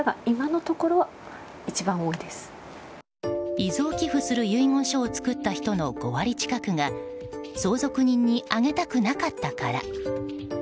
遺贈寄付する遺言書を作った人の５割近くが相続人にあげたくなかったから。